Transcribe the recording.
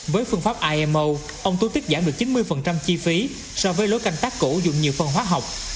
với phương pháp imo ông tú tiết giảm được chín mươi chi phí so với lối canh tác cũ dùng nhiều phân hóa học